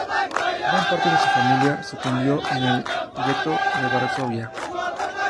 Gran parte de su familia sucumbió en el gueto de Varsovia.